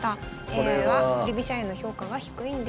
ＡＩは振り飛車への評価が低いんです。